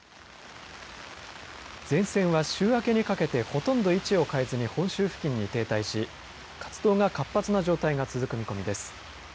前線は、週明けにかけて、ほとんど位置を変えずに本州付近に停滞し、活動が活発な状態が続く見込みです。